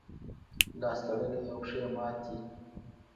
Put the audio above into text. لاس تړلی او پښې ماتې.